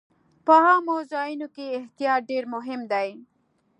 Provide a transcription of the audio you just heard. په عامو ځایونو کې احتیاط ډېر مهم دی.